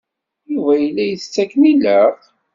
Yuba yella isett akken ilaq?